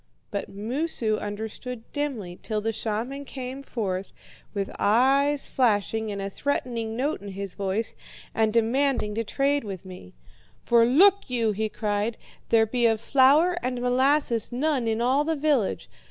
"But Moosu understood dimly, till the shaman came forth, with eyes flashing and a threatening note in his voice, and demanded to trade with me. 'For look you,' he cried, 'there be of flour and molasses none in all the village.